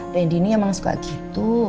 randy ini emang suka gitu